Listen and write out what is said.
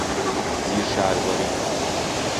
زیر شلواری